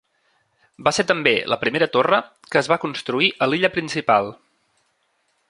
Va ser també la primera torre que es va construir a l'illa principal.